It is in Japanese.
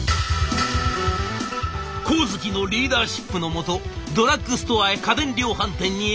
上月のリーダーシップのもとドラッグストアや家電量販店に営業攻勢。